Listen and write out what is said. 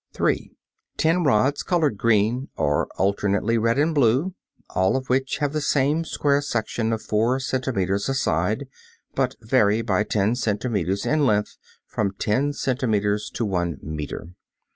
(3) Ten rods, colored green, or alternately red and blue, all of which have the same square section of four centimeters a side, but vary by ten centimeters in length from ten centimeters to one meter.